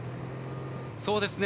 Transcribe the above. そうですね。